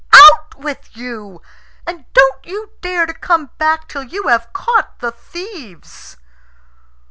Out with you, and don't you dare to come back till you have caught the thieves."